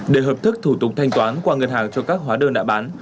để hợp thức thủ tục thanh toán qua ngân hàng cho các hóa đơn đã bán